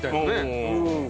うん。